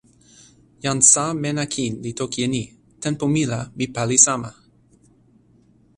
jan Sa Mena Kin li toki e ni: "tenpo mi la mi pali sama".